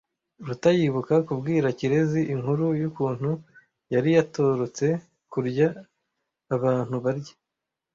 Ruta yibuka kubwira Kirezi inkuru yukuntu yari yaratorotse kurya abantu barya.